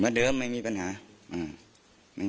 มีเรื่องอะไรมาคุยกันรับได้ทุกอย่าง